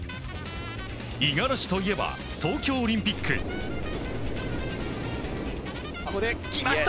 五十嵐といえば東京オリンピック。来ました。